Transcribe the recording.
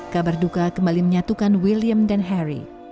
kabar duka kembali menyatukan william dan harry